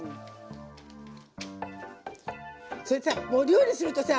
それでさお料理するとさ